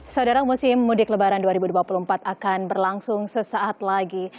saudara musim mudik lebaran dua ribu dua puluh empat akan berlangsung sesaat lagi